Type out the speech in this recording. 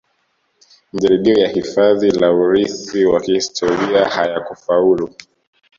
Majaribio ya hifadhi la urithi wa kihistoria hayakufaulu